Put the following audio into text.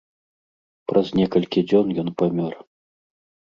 Праз некалькі дзён ён памёр.